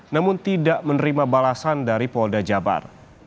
namun tidak menerima balasan dari polda jabar